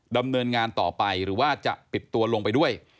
ดำเนินงานต่อไปหรือว่าจะปิดตัวลงไปด้วย